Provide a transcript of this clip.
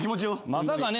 まさかね